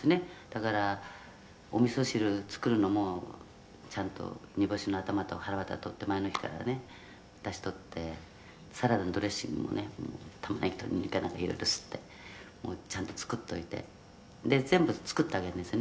「だからおみそ汁作るのもちゃんと煮干しの頭とはらわた取って前の日からねだし取って」「サラダのドレッシングもねタマネギとニンニクやなんかいろいろすってもうちゃんと作っておいて全部作ってあげるんですよね」